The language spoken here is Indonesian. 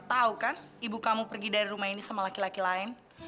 tahu kan ibu kamu pergi dari rumah ini sama laki laki lain